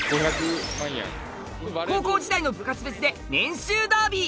高校時代の部活別で年収ダービー